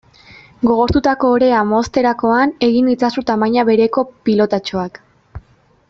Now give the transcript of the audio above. Gogortutako orea mozterakoan egin itzazu tamaina bereko pilotatxoak.